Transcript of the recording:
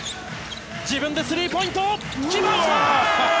自分でスリーポイント！来ました！